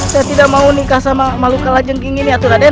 saya tidak mau menikah dengan maluka kalajengking ini atu raden